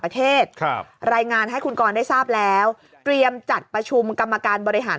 ประเทศครับรายงานให้คุณกรได้ทราบแล้วเตรียมจัดประชุมกรรมการบริหาร